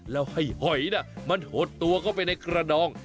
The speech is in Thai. แล้วให้หอยมันหดตัวเข้าไปในกระดอง